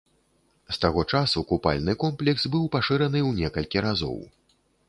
З таго часу купальны комплекс быў пашыраны ў некалькі разоў.